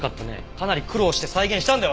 かなり苦労して再現したんだよ